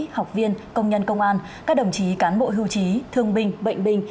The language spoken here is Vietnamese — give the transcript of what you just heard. học viên công nhân công an các đồng chí cán bộ hưu trí thương binh bệnh binh